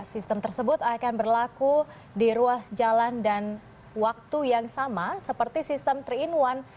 sistem tersebut akan berlaku di ruas jalan dan waktu yang sama seperti sistem tiga in satu